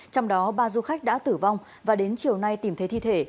trong đó ba du khách đã tử vong và đến chiều nay tìm thấy thi thể